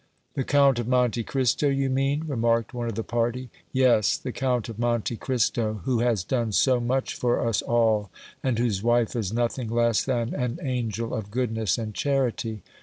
"The Count of Monte Cristo you mean?" remarked one of the party. "Yes, the Count of Monte Cristo, who has done so much for us all and whose wife is nothing less than an angel of goodness and charity."